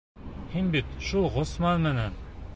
Һин бит шул Ғосман менән...